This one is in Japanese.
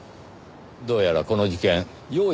どうやらこの事件用意